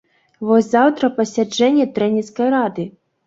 Вось заўтра пасяджэнне трэнерскай рады.